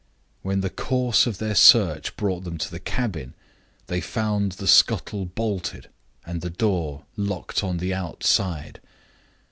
When the course of their search brought them to the cabin, they found the scuttle bolted, and the door locked on the outside.